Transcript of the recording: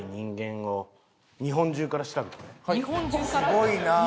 すごいな。